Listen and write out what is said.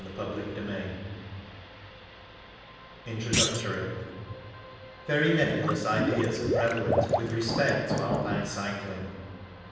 CHAPTER I INTRODUCTORY Very nebulous ideas are prevalent with respect to Alpine cycling.